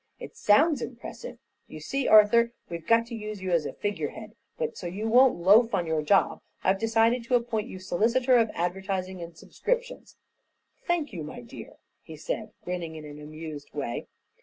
It sounds impressive. You see, Arthur, we've got to use you as a figurehead, but so you won't loaf on your job I've decided to appoint you Solicitor of Advertising and Subscriptions." "Thank you, my dear," he said, grinning in an amused way.